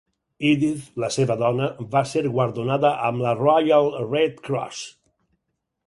Edith, la seva dona, va ser guardonada amb la Royal Red Cross.